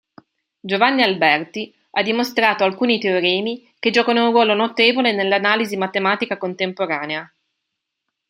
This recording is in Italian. Giovanni Alberti ha dimostrato alcuni teoremi che giocano un ruolo notevole nel'Analisi Matematica contemporanea.